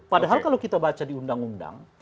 padahal kalau kita baca di undang undang